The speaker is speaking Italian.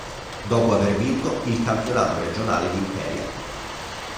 Dopo aver vinto il campionato regionale di Imperia.